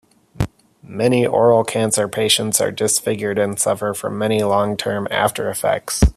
Many oral cancer patients are disfigured and suffer from many long term after effects.